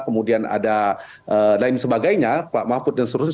kemudian ada lain sebagainya pak mahfud dan seterusnya